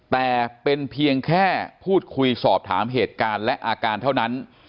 แต่เป็นเพียงแค่พูดคุยสอบถามเหตุการณ์และอาการเท่านั้น